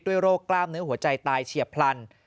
โรคกล้ามเนื้อหัวใจตายเฉียบพลัน